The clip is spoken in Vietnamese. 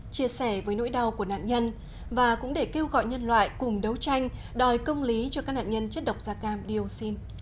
chia sẻ với nỗi đau của nạn nhân và cũng để kêu gọi nhân loại cùng đấu tranh đòi công lý cho các nạn nhân chất độc da cam dioxin